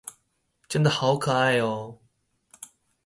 真的好可愛喔